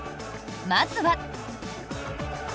まずは。